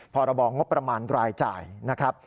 พรงรายจ่ายนะครับ